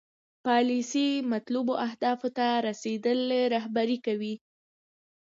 پالیسي مطلوبو اهدافو ته رسیدل رهبري کوي.